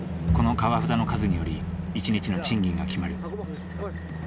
この川札の数により一日の賃金が決まる。